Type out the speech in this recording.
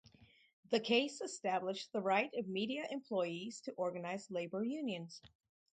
The case established the right of media employees to organize labor unions.